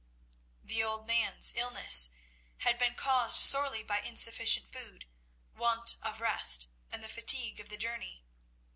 The old man's illness had been caused solely by insufficient food, want of rest, and the fatigue of the journey.